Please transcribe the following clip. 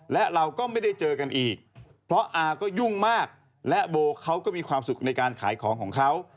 และเราก็ไม่ได้เจอกันอีกเพราะอาก็ยุ่งมากและโบเขาก็มีความสุขในการขายของของเขา